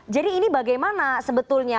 jadi ini bagaimana sebetulnya